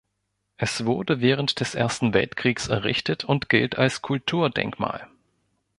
Es wurde während des Ersten Weltkriegs errichtet und gilt als Kulturdenkmal.